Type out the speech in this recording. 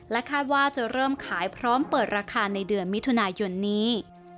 คาดว่าจะเริ่มขายพร้อมเปิดราคาในเดือนมิถุนายนนี้